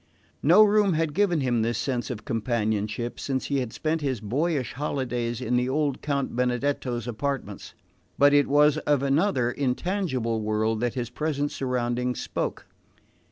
No room had given him this sense of companionship since he had spent his boyish holidays in the old Count Benedetto's apartments; but it was of another, intangible world that his present surroundings spoke.